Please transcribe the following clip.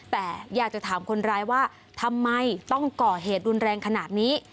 แต่อยากจะถามคนร้ายว่าทำไมต้องก่อเหตุรุนแรงขนาดนี้